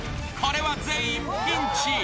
これは全員ピンチ。